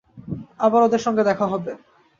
আবার ওদের সঙ্গে দেখা হবে।